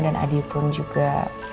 dan adi pun juga